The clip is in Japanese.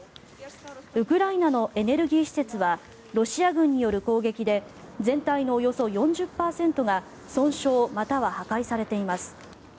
ウクライナのエネルギー施設はロシア軍による攻撃で全体のおよそ４０％が損傷または破壊されています。